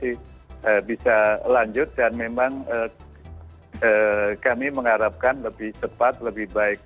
jadi saya kira bisa lanjut dan memang kami mengharapkan lebih cepat lebih baik